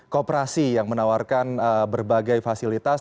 kooperasi yang menawarkan berbagai fasilitas